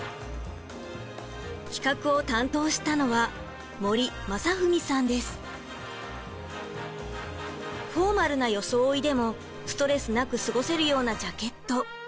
企画を担当したのはフォーマルな装いでもストレスなく過ごせるようなジャケット。